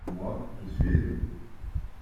moi, je suis aimé.